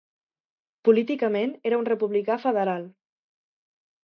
Políticament era un republicà federal.